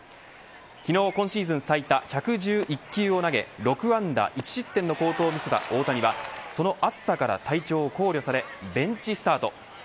昨日、今シーズン最多１１１球を投げて６安打１失点の好投を見せた大谷はその暑さから体調を考慮されベンチスタート。